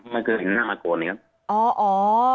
ไม่เคยเห็นหน้ามากกว่านี้ครับ